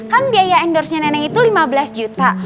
kan biaya endorse nya nenek itu lima belas juta